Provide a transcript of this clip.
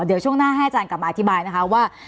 เดี๋ยวช่วงหน้าให้อาจารย์กลับมาอธิบายนะคะว่า